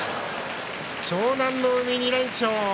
湘南乃海、２連勝。